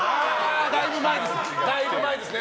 だいぶ前です。